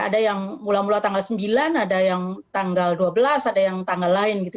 ada yang mula mula tanggal sembilan ada yang tanggal dua belas ada yang tanggal lain gitu